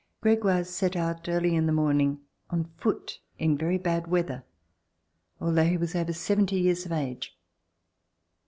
Gregoire set out early in the morning on foot In very bad weather, although he was over seventy years of age.